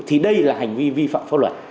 thì đây là hành vi vi phạm pháp luật